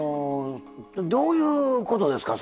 どういうことですか？